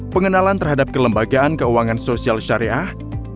pengenalan terhadap kelembagaan keuangan sosial syariah